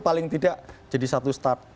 paling tidak jadi satu start